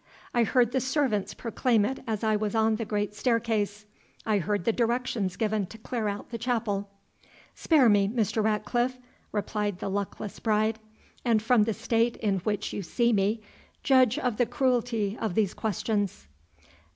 I heard the servants proclaim it as I was on the great staircase I heard the directions given to clear out the chapel." "Spare me, Mr. Ratcliffe," replied the luckless bride; "and from the state in which you see me, judge of the cruelty of these questions."